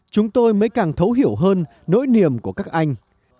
chúng tôi mới càng thấu hiểu hơn nỗi niềm của các anh